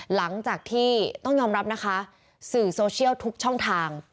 หลังจากที่ต้องยอมรับนะคะสื่อโซเชียลทุกช่องทาง